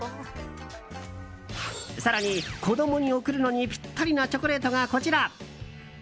更に子供に贈るのにぴったりなチョコレートがこちら。